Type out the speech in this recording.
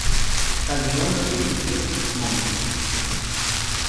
Calderón lo sucede mons.